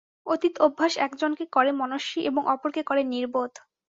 অতীত অভ্যাস একজনকে করে মনস্বী এবং অপরকে করে নির্বোধ।